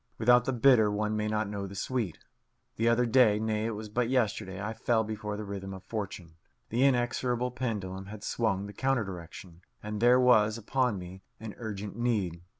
Without the bitter one may not know the sweet. The other day nay, it was but yesterday I fell before the rhythm of fortune. The inexorable pendulum had swung the counter direction, and there was upon me an urgent need.